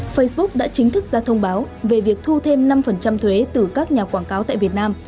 facebook đã chính thức ra thông báo về việc thu thêm năm thuế từ các nhà quảng cáo tại việt nam